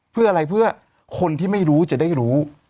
เพื่ออะไรเพื่อคนที่ไม่รู้จะได้รู้